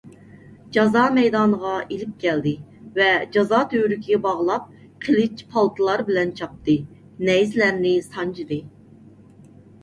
جازا مەيدانىغا ئېلىپ كەلدى ۋە جازا تۈۋرۈكىگە باغلاپ قىلىچ، پالتىلار بىلەن چاپتى، نەيزىلەرنى سانجىدى.